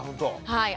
はい。